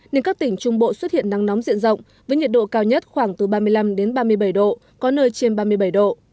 nên các tỉnh trung bộ xuất hiện nắng nóng diện rộng với nhiệt độ cao nhất khoảng từ ba mươi năm ba mươi bảy độ có nơi trên ba mươi bảy độ